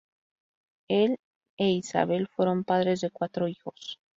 Él e Isabel fueron padres de cuatro hijos.